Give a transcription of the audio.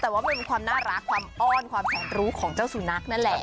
แต่ว่ามันเป็นความน่ารักความอ้อนความแสนรู้ของเจ้าสุนัขนั่นแหละ